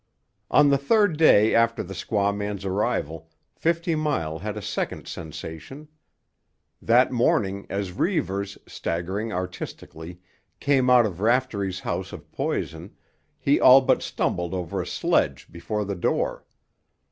On the third day after the squaw man's arrival, Fifty Mile had a second sensation. That morning, as Reivers, staggering artistically, came out of Raftery's house of poison, he all but stumbled over a sledge before the door.